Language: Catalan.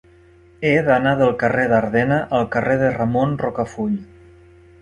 He d'anar del carrer d'Ardena al carrer de Ramon Rocafull.